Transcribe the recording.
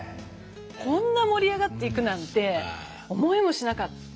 こんな盛り上がっていくなんて思いもしなかったですし